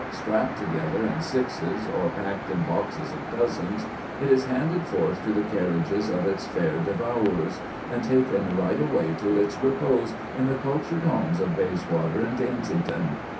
Strapped together in sixes, or packed in boxes of dozens, it is handed forth to the carriages of its fair devourers, and taken right away to its repose in the cultured homes of Bayswater and Kensington.